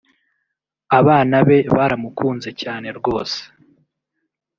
abana be baramukunze cyane rwose